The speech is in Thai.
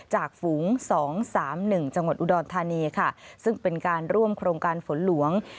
ฝูง๒๓๑จังหวัดอุดรธานีค่ะซึ่งเป็นการร่วมโครงการฝนหลวง